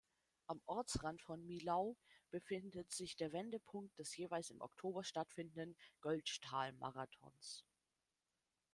Am Ortsrand von Mylau befindet sich der Wendepunkt des jeweils im Oktober stattfindenden Göltzschtal-Marathons.